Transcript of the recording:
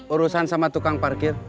urusan sama tukang parkir